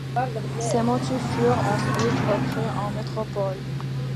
Ces motifs furent ensuite repris en métropole.